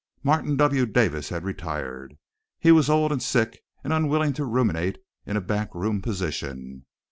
Martin W. Davis had retired. He was old and sick, and unwilling to ruminate in a back room position.